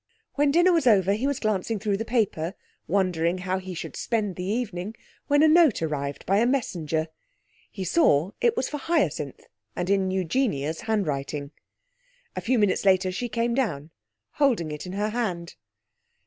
When dinner was over he was glancing through the paper, wondering how he should spend the evening, when a note arrived by a messenger. He saw it was for Hyacinth, and in Eugenia's handwriting. A few minutes later she came down, holding it in her hand.